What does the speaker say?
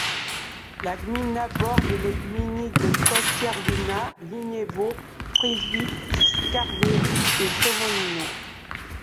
La gmina borde les gminy de Kościerzyna, Liniewo, Przywidz, Skarszewy et Somonino.